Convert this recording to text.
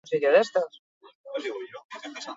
Biak izan ziren ordutegi nagusian audientzia buru.